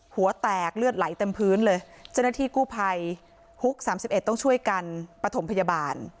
หัวแตกเลือดไหลเต็มพื้นเลยเจ้าหน้าที่กู้ภัยฮุกสามสิบเอ็ดต้องช่วยกันปฐมพยาบาล